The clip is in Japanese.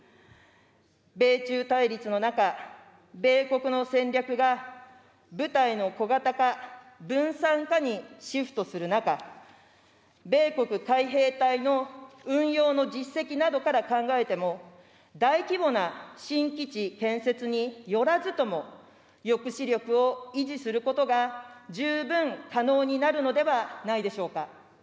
米中対立の中、米国の戦略が部隊の小型化・分散化にシフトする中、米国海兵隊の運用の実績などから考えても、大規模な新基地建設によらずとも、抑止力を維持することが十分可能になるのではないでしょうか。